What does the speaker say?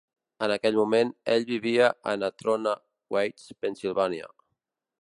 En aquell moment, ell vivia a Natrona Heights, Pennsilvània.